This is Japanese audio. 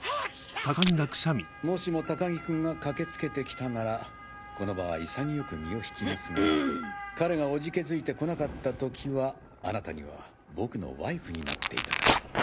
もしも高木君が駆け付けて来たならこの場は潔く身を引きますが彼がおじけづいて来なかった時はあなたには僕のワイフになっていただく。